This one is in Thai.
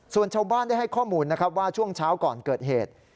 ส่วนชาวบ้านได้ให้ข้อมูลนะครับว่าช่วงเช้าก่อนเกิดเหตุ